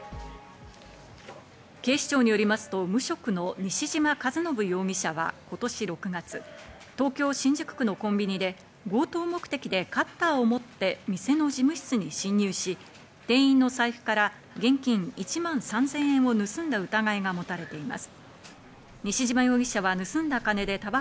警視庁によりますと無職の西嶋一信容疑者は今年６月、東京・新宿区のコンビニで強盗目的でカッターを持って店の事務室に侵入し、店員の財布から現金１万３０００円を盗んだ疑いが持たれています。